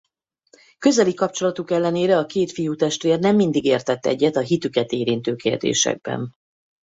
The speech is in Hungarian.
Közeli kapcsolatuk ellenére a két fiútestvér nem mindig értett egyet a hitüket érintő kérdésekben.